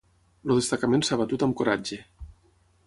El destacament s'ha batut amb coratge.